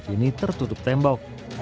ini tertutup tembok